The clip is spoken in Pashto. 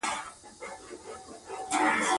کندز سیند د افغانستان د اقتصاد برخه ده.